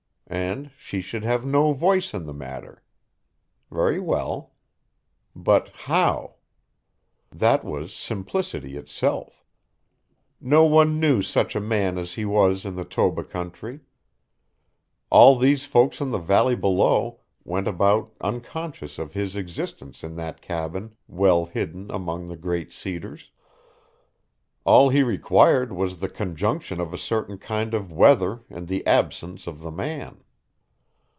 And she should have no voice in the matter. Very well. But how? That was simplicity itself. No one knew such a man as he was in the Toba country. All these folk in the valley below went about unconscious of his existence in that cabin well hidden among the great cedars. All he required was the conjunction of a certain kind of weather and the absence of the man.